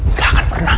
gak akan pernah